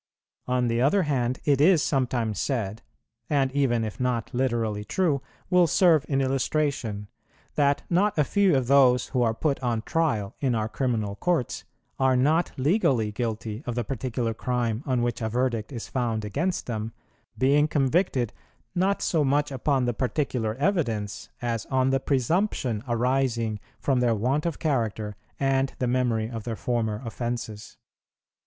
On the other hand, it is sometimes said, and even if not literally true will serve in illustration, that not a few of those who are put on trial in our criminal courts are not legally guilty of the particular crime on which a verdict is found against them, being convicted not so much upon the particular evidence, as on the presumption arising from their want of character and the memory of their former offences.